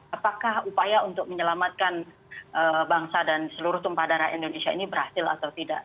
apakah upaya untuk menyelamatkan bangsa dan seluruh tumpah darah indonesia ini berhasil atau tidak